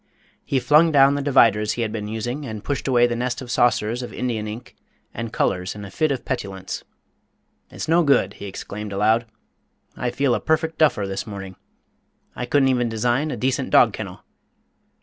He flung down the dividers he had been using and pushed away the nest of saucers of Indian ink and colours in a fit of petulance. "It's no good," he exclaimed aloud; "I feel a perfect duffer this morning. I couldn't even design a decent dog kennel!"